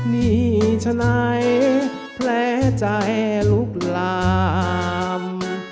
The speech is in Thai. นี่ฉะนั้นแผลใจลุกลาม